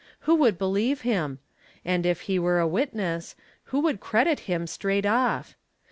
Who would believe him? and, if he were a witness, who would credit him straight off?